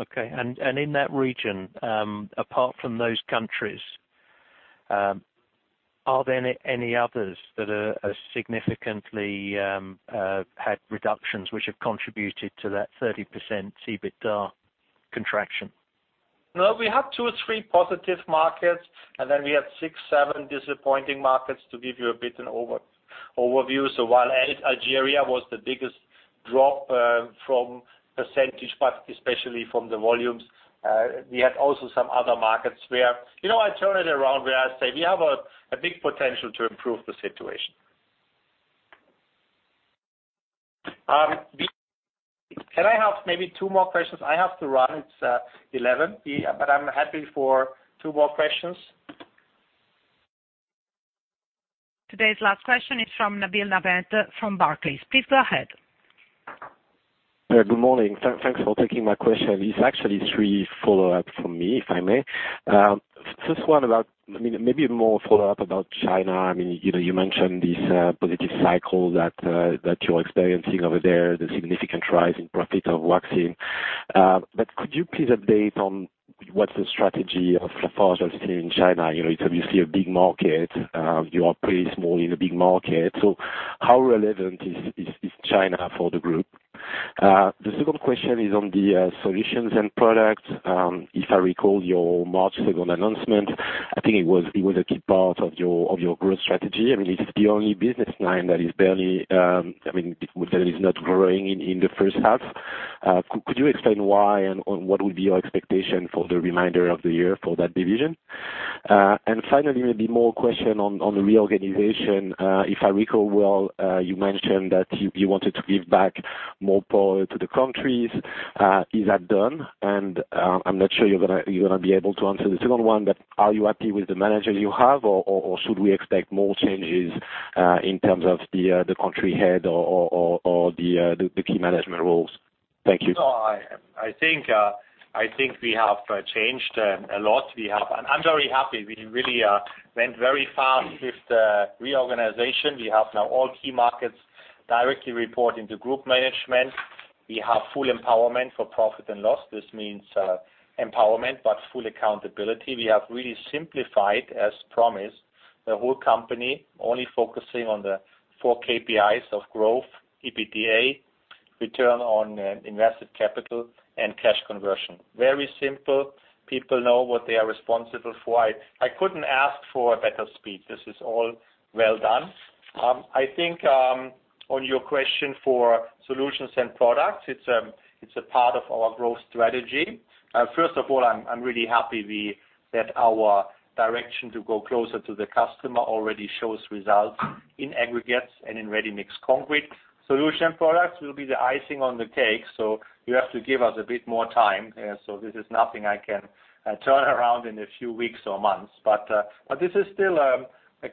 Okay. In that region, apart from those countries, are there any others that are significantly had reductions which have contributed to that 30% EBITDA contraction? We have two or three positive markets, we have six, seven disappointing markets, to give you a bit an overview. While Algeria was the biggest drop from percentage, but especially from the volumes, we had also some other markets where I turn it around where I say we have a big potential to improve the situation. Can I have maybe two more questions? I have to run. It's 11:00, I'm happy for two more questions. Today's last question is from Nabil Naouath from Barclays. Please go ahead. Good morning. Thanks for taking my question. It's actually three follow-ups from me, if I may. First one, maybe more follow-up about China. You mentioned this positive cycle that you're experiencing over there, the significant rise in profit of Huaxin. Could you please update on what's the strategy of LafargeHolcim in China? It's obviously a big market. You are pretty small in a big market. How relevant is China for the group? The second question is on the solutions and products. If I recall your March 2nd announcement, I think it was a key part of your growth strategy. It's the only business line that is barely, I mean, that is not growing in the first half. Could you explain why and what would be your expectation for the remainder of the year for that division? Finally, maybe more question on the reorganization. If I recall well, you mentioned that you wanted to give back more power to the countries. Is that done? I'm not sure you're going to be able to answer the second one, are you happy with the managers you have, or should we expect more changes in terms of the country head or the key management roles? Thank you. I think we have changed a lot. I'm very happy. We really went very fast with the reorganization. We have now all key markets directly reporting to group management. We have full empowerment for profit and loss. This means empowerment, full accountability. We have really simplified, as promised, the whole company, only focusing on the four KPIs of growth, EBITDA, return on invested capital, and cash conversion. Very simple. People know what they are responsible for. I couldn't ask for a better speed. This is all well done. I think, on your question for solutions and products, it's a part of our growth strategy. First of all, I'm really happy that our direction to go closer to the customer already shows results in aggregates and in ready-mix concrete. Solution products will be the icing on the cake, you have to give us a bit more time. This is nothing I can turn around in a few weeks or months. This is still a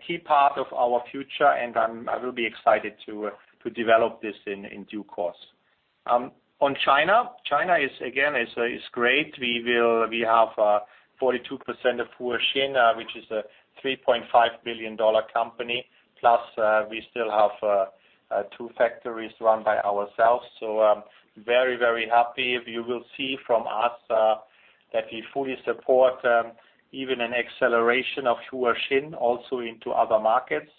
key part of our future, and I will be excited to develop this in due course. On China is again great. We have 42% of Huaxin, which is a $3.5 billion company, plus we still have two factories run by ourselves. I'm very happy. You will see from us that we fully support even an acceleration of Huaxin also into other markets,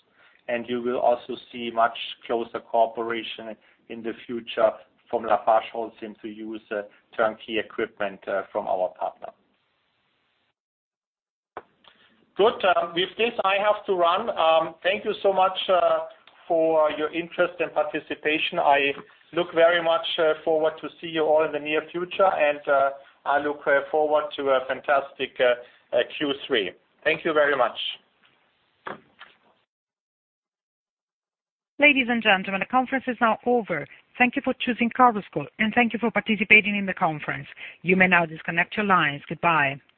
and you will also see much closer cooperation in the future from LafargeHolcim to use turnkey equipment from our partner. Good. With this, I have to run. Thank you so much for your interest and participation. I look very much forward to see you all in the near future, and I look forward to a fantastic Q3. Thank you very much. Ladies and gentlemen, the conference is now over. Thank you for choosing Chorus Call, and thank you for participating in the conference. You may now disconnect your lines. Goodbye.